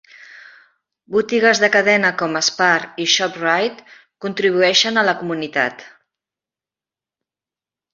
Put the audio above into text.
Botigues de cadena com Spar i Shoprite contribueixen a la comunitat.